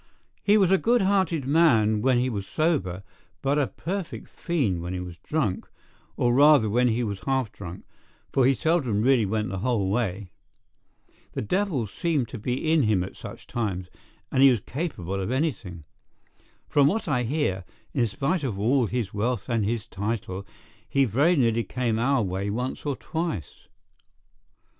"He was a good hearted man when he was sober, but a perfect fiend when he was drunk, or rather when he was half drunk, for he seldom really went the whole way. The devil seemed to be in him at such times, and he was capable of anything. From what I hear, in spite of all his wealth and his title, he very nearly came our way once or twice.